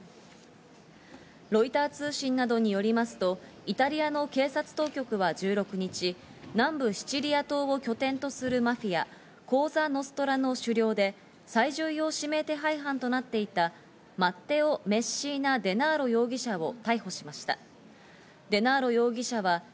ロイター通信などによりますと、イタリアの警察当局は１６日、南部シチリア島を拠点とするマフィア、コーザ・ノストラの首領で最重要指名手配犯となっていたマッテオ・メッシーナ・デナーロ容疑者を逮捕しました。